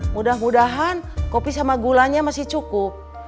mudah mudahan kopi sama gulanya masih cukup